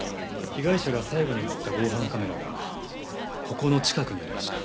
被害者が最後に映った防犯カメラがここの近くにありました。